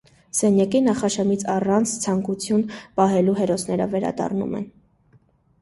Սենյակի նախաշեմից առանց ցանկություն պահելու հերոսները վերադառնում են։